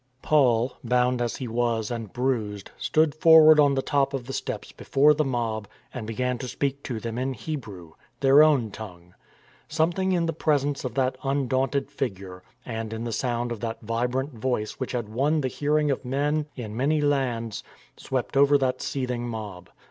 Paul, bound as he was and bruised, stood forward on the top of the steps before the mob and began to speak to them in Hebrew — their own tongue. Some thing in the presence of that undaunted figure, and in the sound of that vibrant voice which had won the hearing of men in many lands, swept over that seeth ing mob.